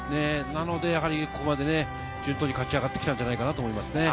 なので、ここまで順当に勝ち上がってきたんじゃないかなと思います。